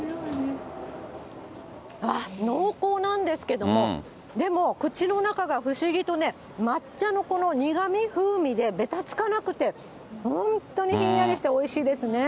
濃厚なんですけども、でも口の中が不思議とね、抹茶のこの苦み、風味でべたつかなくて、本当にひんやりしておいしいですね。